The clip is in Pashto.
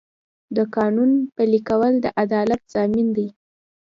د قانون پلي کول د عدالت ضامن دی.